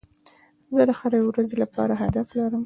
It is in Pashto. زه د هري ورځي لپاره هدف لرم.